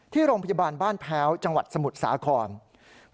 ที่โรงพยาบาลบ้านแพ้วจังหวัดสมุทรสาคร